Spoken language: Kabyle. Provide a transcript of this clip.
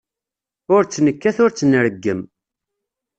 Ur tt-nekkat ur tt-nreggem.